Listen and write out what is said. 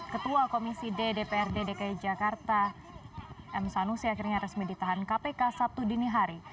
ketua komisi ddprd dki jakarta m sanusi akhirnya resmi ditahan kpk sabtu dini hari